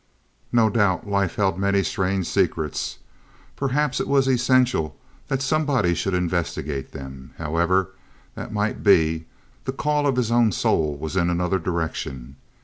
No doubt life held many strange secrets. Perhaps it was essential that somebody should investigate them. However that might be, the call of his own soul was in another direction.